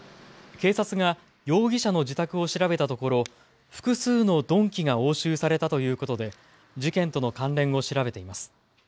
警察が容疑者の自宅を調べたところ複数の鈍器が押収されたということで事件との関連を調べています。